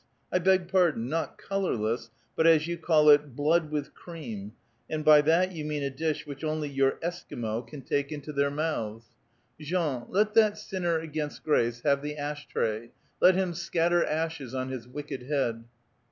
1 beg pardon ; not colorless, but as you call it, blood with cream [krof so slivkami']^ and by that you mean a dish which only your Esquimaux can take into their A VITAL QUESTION. 23 mouths. — Jean, let that sinner against grace have the ash tray. Let him scatter ashes ou his wicked head